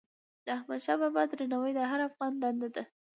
د احمدشاه بابا درناوی د هر افغان دنده ده.